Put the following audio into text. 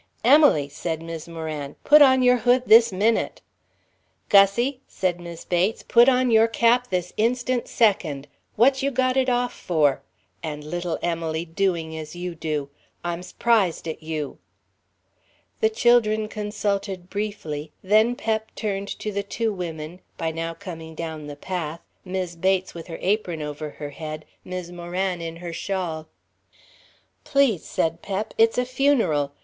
"Emily," said Mis' Moran, "put on your hood this minute." "Gussie," said Mis' Bates, "put on your cap this instant second. What you got it off for? And little Emily doing as you do I'm su'prised at you." The children consulted briefly, then Pep turned to the two women, by now coming down the path, Mis' Bates with her apron over her head, Mis' Moran in her shawl. "Please," said Pep, "it's a funeral.